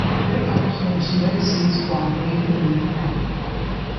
It upholds legacies while grading a new route.